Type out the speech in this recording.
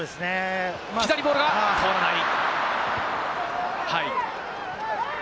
木田にボールが通らない。